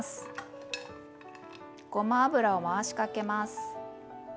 ごま油を回しかけます。